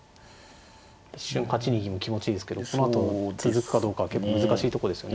一瞬８二銀も気持ちいいですけどそのあと続くかどうかは結構難しいとこですよね。